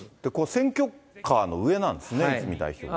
選挙カーの上なんですね、泉代表はね。